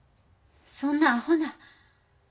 そんなアホな。